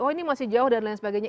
oh ini masih jauh dan lain sebagainya